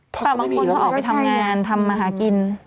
เพราะบางคนก็ออกไปทำงานทำมาหากิน